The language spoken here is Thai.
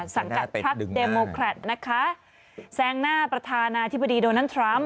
สังกัดพักเดโมแครตนะคะแซงหน้าประธานาธิบดีโดนัลดทรัมป